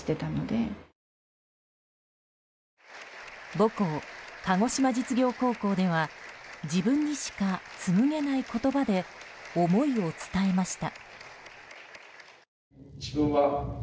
母校・鹿児島実業高校では自分にしか紡げない言葉で思いを伝えました。